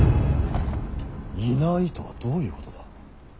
いないとはどういうことだ。